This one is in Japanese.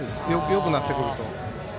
よくなってくると。